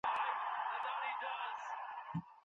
ایا لوی صادروونکي خندان پسته پلوري؟